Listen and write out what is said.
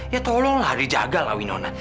ya tolonglah dijagalah winona